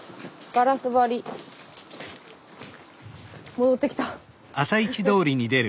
戻ってきた。